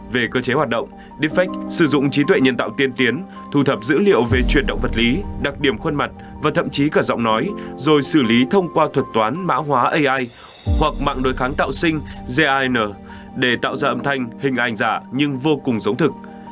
về cơ chế hoạt động defect sử dụng trí tuệ nhân tạo tiên tiến thu thập dữ liệu về chuyển động vật lý đặc điểm khuôn mặt và thậm chí cả giọng nói rồi xử lý thông qua thuật toán mã hóa ai hoặc mạng đối kháng tạo sinh gin để tạo ra âm thanh hình ảnh giả nhưng vô cùng giống thực